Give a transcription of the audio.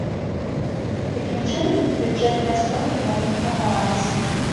Такім чынам, бюджэтныя сродкі на іх планаваліся.